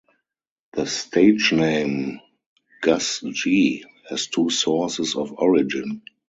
The stage name "Gus G." has two sources of origin.